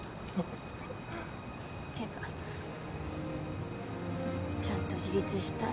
てかちゃんと自立したい。